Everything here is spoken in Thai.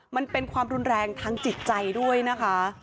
มันเป็นความรุนแรงทางจิตใจด้วยนะคะ